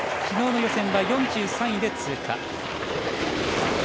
昨日の予選は４３位で通過。